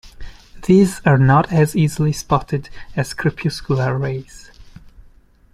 These are not as easily spotted as crepuscular rays.